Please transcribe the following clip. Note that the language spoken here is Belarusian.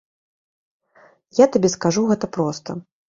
Я табе скажу гэта проста.